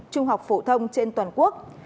trung học phổ thông trên toàn quốc